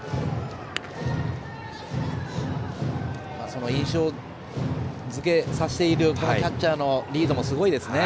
その印象づけさせているキャッチャーリードもすごいですね。